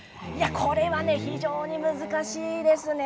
これは非常に難しいですね。